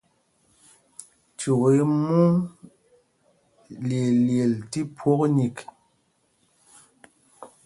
Cyûk i mu malyeelyel tí phwok nyik.